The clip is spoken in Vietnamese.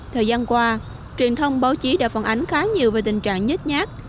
thời gian qua truyền thông báo chí đã phản ánh khá nhiều về tình trạng nhích nhát